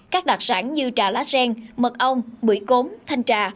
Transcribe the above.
các đặc sản như trà lá sen mật ong bưởi cốm thanh trà